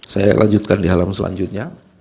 saya lanjutkan di halam selanjutnya